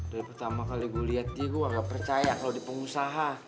dari pertama kali gue liat dia gue gak percaya kalo di pengusaha